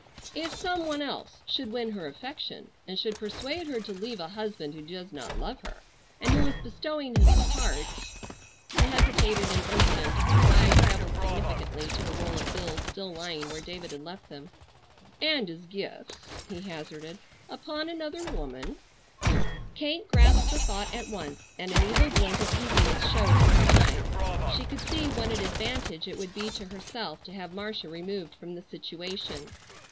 "If some one else should win her affection, and should persuade her to leave a husband who did not love her, and who was bestowing his heart"—he hesitated an instant and his eye traveled significantly to the roll of bills still lying where David had left them—"and his gifts," he hazarded, "upon another woman——" Kate grasped the thought at once and an evil glint of eagerness showed in her eyes. She could see what an advantage it would be to herself to have Marcia removed from the situation.